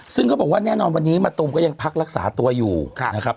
ซึ่งเขาบอกว่าแน่นอนวันนี้มะตูมก็ยังพักรักษาตัวอยู่นะครับ